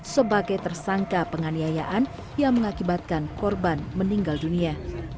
sebagai tersangka penganiayaan yang mengakibatkan korban meninggal dunia